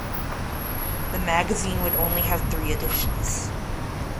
The magazine would only have three editions.